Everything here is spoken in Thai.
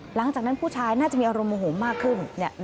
หลังจากนั้นผู้ชายน่าจะมีอารมณ์โมโหมากขึ้น